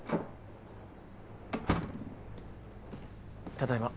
・ただいま。